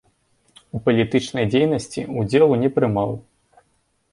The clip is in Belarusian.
У палітычнай дзейнасці ўдзелу не прымаў.